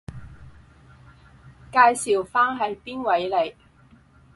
介紹返係邊位嚟？